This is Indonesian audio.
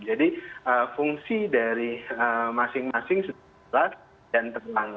jadi fungsi dari masing masing setelah dan terbang